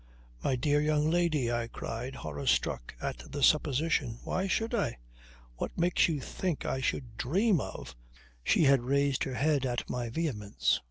"My dear young lady," I cried, horror struck at the supposition. "Why should I? What makes you think I should dream of ..." She had raised her head at my vehemence.